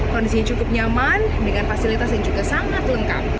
kondisinya cukup nyaman dengan fasilitas yang juga sangat lengkap